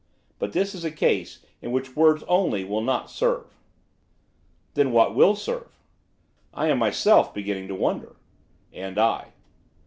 But this is a case in which words only will not serve.' 'Then what will serve?' 'I am myself beginning to wonder.' 'And I.